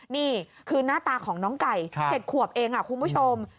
นี่คือหน้าตาของน้องไก่๗ขวบเองคุณผู้ชม